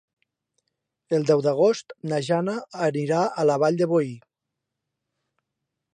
El deu d'agost na Jana anirà a la Vall de Boí.